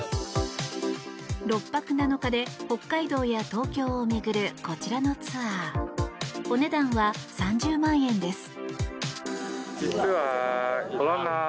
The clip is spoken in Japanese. ６泊７日で北海道や東京を巡るこちらのツアーお値段は３０万円です。